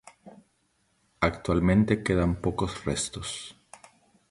Actualmente quedan pocos restos.